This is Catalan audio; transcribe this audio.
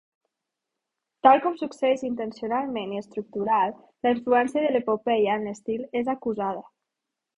Tal com succeeix intencionalment i estructural, la influència de l'epopeia en l'estil és acusada.